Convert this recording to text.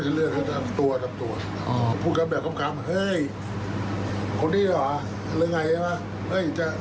คือไม่ได้อยู่ในสถานะที่เป็นคนพิเศษ